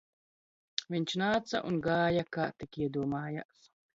Viņš nāca un gāja kā tik iedomājās